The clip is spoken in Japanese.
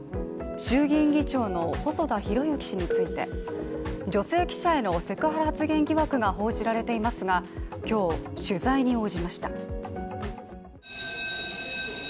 衆議院議長の細田博之氏について女性記者へのセクハラ発言疑惑が報じられていますが、今日、取材に応じました。